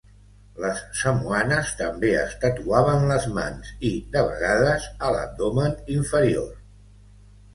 Les samoanes també es tatuaven les mans i, de vegades, a l'abdomen inferior.